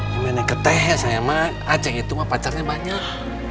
yang main ke teh ya sayang mak aceh itu mak pacarnya banyak